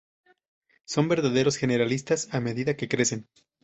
Son verdaderos generalistas, a medida que crecen.